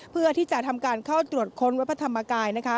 เพื่อที่จะทำการเข้าตรวจค้นวัดพระธรรมกายนะคะ